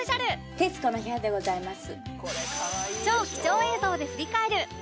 『徹子の部屋』でございます。